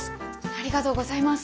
ありがとうございます。